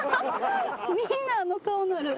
みんなあの顔なる。